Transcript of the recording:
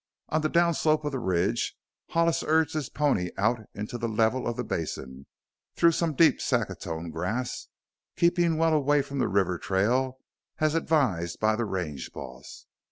Once down the slope of the ridge Hollis urged his pony out into the level of the basin, through some deep saccatone grass, keeping well away from the river trail as advised by the range boss.